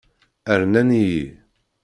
Rnan-iyi.